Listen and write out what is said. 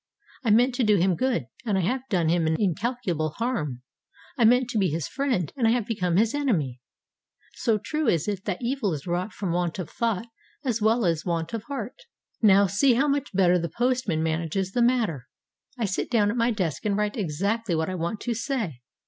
I meant to do him good, and I have done him incalculable harm. I meant to be his friend, and I have become his enemy. So true is it that evil is wrought from want of thought as well as want of heart. Now see how much better the postman manages the matter. I sit down at my desk and write exactly what I want to say.